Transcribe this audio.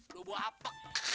dua buah apa